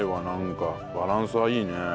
なんかバランスはいいね。